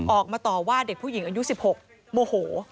ออกมาต่อว่าเด็กผู้หญิงอายุ๑๖โมโห